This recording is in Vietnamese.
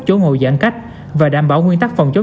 chúng ta vừa đảm bảo